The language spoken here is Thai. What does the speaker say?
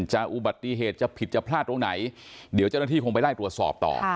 อุบัติเหตุจะผิดจะพลาดตรงไหนเดี๋ยวเจ้าหน้าที่คงไปไล่ตรวจสอบต่อ